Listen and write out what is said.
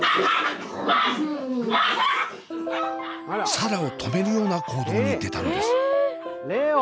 紗蘭を止めるような行動に出たのです。